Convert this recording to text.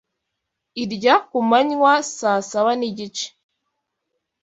irya kumanywa saa saba n’igice